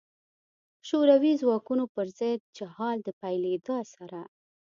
شوروي ځواکونو پر ضد جهاد پیلېدا سره.